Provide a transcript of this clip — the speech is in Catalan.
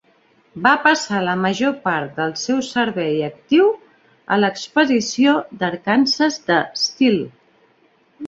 Va passar la major part del seu servei actiu a l'expedició d'Arkansas de Steele.